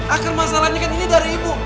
akar masalahnya kan ini dari ibu